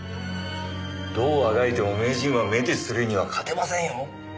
どうあがいても名人はＭＥＴｉＳⅢには勝てませんよ。